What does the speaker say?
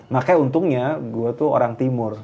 makanya untungnya gue tuh orang timur